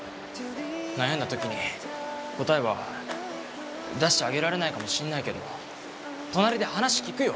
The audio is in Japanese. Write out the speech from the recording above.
悩んだ時に答えは出してあげられないかもしんないけど隣で話聞くよ！